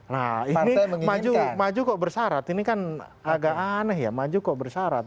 nah ini maju kok bersarat ini kan agak aneh ya maju kok bersarat